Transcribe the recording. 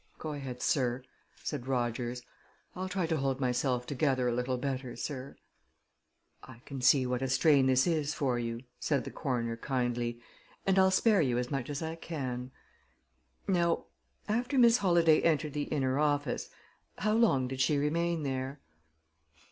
"Go ahead, sir," said Rogers. "I'll try to hold myself together a little better, sir." "I can see what a strain this is for you," said the coroner kindly; "and I'll spare you as much as I can. Now, after Miss Holladay entered the inner office, how long did she remain there?"